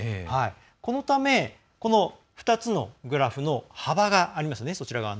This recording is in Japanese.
このため、２つのグラフの幅がありますよね。